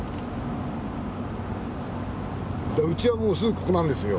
うちはもうすぐここなんですよ。